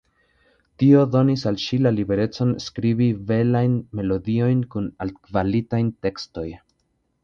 Tio donis al ŝi la liberecon skribi belajn melodiojn kun altkvalitaj tekstoj.